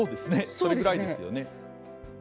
それぐらいですよね。